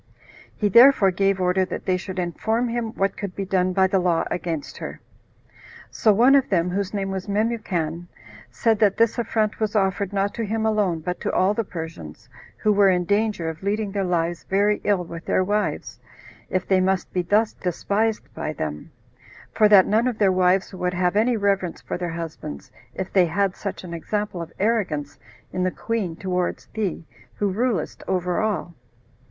He therefore gave order that they should inform him what could be done by the law against her. So one of them, whose name was Memucan, said that this affront was offered not to him alone, but to all the Persians, who were in danger of leading their lives very ill with their wives, if they must be thus despised by them; for that none of their wives would have any reverence for their husbands, if they, "had such an example of arrogance in the queen towards thee, who rulest over all."